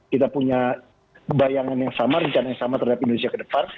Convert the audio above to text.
kita punya bayangan yang sama rencana yang sama terhadap indonesia ke depan